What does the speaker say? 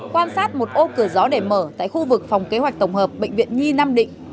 quan sát một ô cửa gió để mở tại khu vực phòng kế hoạch tổng hợp bệnh viện nhi nam định